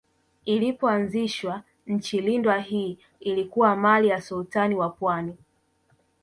Ilipoanzishwa Nchi lindwa hii ilikuwa mali ya Sultani wa Pwani